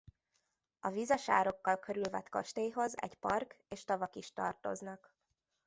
A vizesárokkal körülvett kastélyhoz egy park és tavak is tartoznak.